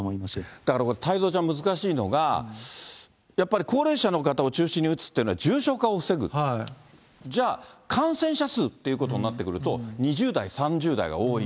だからこれ、太蔵ちゃん難しいのが、やっぱり高齢者の方を中心に打つっていうのは、重症化を防ぐ、じゃあ、感染者数ということになってくると、２０代、３０代が多い。